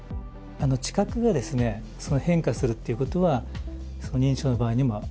知覚がですね変化するっていうことは認知症の場合にもありえます。